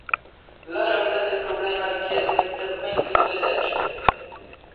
La gravità del problema richiese l'intervento dell'esercito.